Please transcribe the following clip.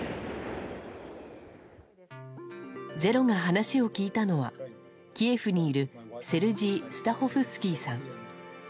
「ｚｅｒｏ」が話を聞いたのはキエフにいるセルジー・スタホフスキーさん。